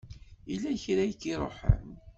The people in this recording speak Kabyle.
Yella kra i k-iruḥen?